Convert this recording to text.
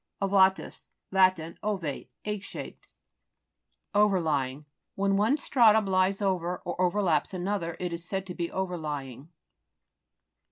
OVA'TUS Lat. Ovate, egg shaped. OVERLYING When one stratum lies over, or overlaps another, it is said to be overlying.